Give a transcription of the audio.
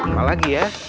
apa lagi ya